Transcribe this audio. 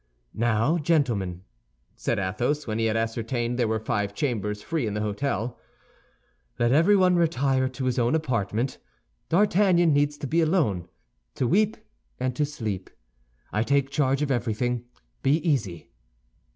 "Now, gentlemen," said Athos, when he had ascertained there were five chambers free in the hôtel, "let everyone retire to his own apartment. D'Artagnan needs to be alone, to weep and to sleep. I take charge of everything; be easy."